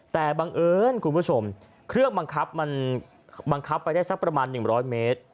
แต่บังเอิญคุณผู้ชมเครื่องบังคับมันบังคับไปได้สักประมาณ๑๐๐เมตร